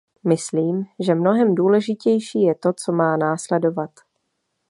Myslím, že mnohem důležitější je to, co má následovat.